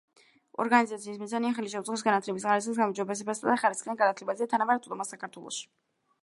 ორგანიზაციის მიზანია ხელი შეუწყოს განათლების ხარისხის გაუმჯობესებასა და ხარისხიან განათლებაზე თანაბარ წვდომას საქართველოში.